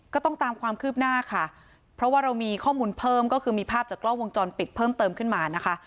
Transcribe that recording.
ก็ต้องตามความคืบหน้าค่ะเพราะว่าเรามีข้อมูลเพิ่มก็คือมีภาพจากกล้องวงจรปิดเพิ่มเติมขึ้นมานะคะ